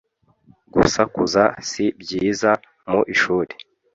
gusakuza si byiza mu ishuri